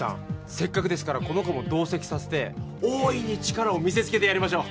せっかくですからこの子も同席させて大いに力を見せつけてやりましょう。